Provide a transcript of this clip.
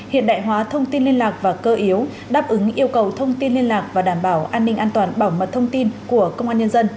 hiện đại hóa thông tin liên lạc và cơ yếu đáp ứng yêu cầu thông tin liên lạc và đảm bảo an ninh an toàn bảo mật thông tin của công an nhân dân